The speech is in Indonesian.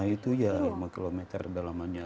itu ya lima km kedalamannya